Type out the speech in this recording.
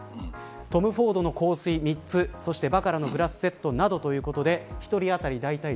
トム・フォードの香水３つそしてバカラのグラスセットなどということで１人当たりだいたい